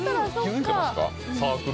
気付いてますか？